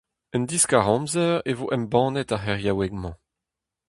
En diskar-amzer e vo embannet ar c'heriaoueg-mañ.